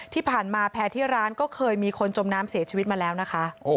ที่ผ่านมาแพร่ที่ร้านก็เคยมีคนจมน้ำเสียชีวิตมาแล้วนะคะ